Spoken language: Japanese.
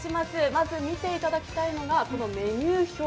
まず見ていただきたいのが、このメニュー表。